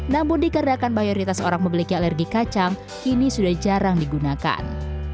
namun dikarenakan mayoritas orang memiliki alergi kacang kini sudah jarang digunakan